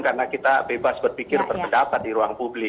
karena kita bebas berpikir berpendapat di ruang publik